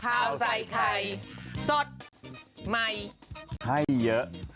ข้าวใส่ไข่สดใหม่ให้เยอะ